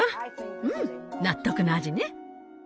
うん納得の味ね。